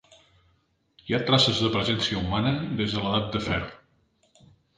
Hi ha traces de presència humana des de l'edat de fer.